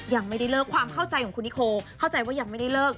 ยังไม่ได้เลิกความเข้าใจของคุณนิโคเข้าใจว่ายังไม่ได้เลิก